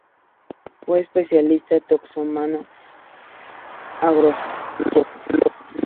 Fue especialista taxónomo agrostólogo.